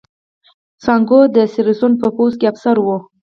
سانکو د سیریلیون په پوځ کې افسر و.